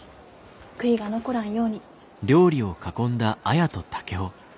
悔いが残らんように。